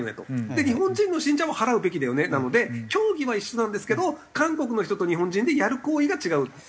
で日本人の信者も払うべきだよねなので教義は一緒なんですけど韓国の人と日本人でやる行為が違うっていう話です。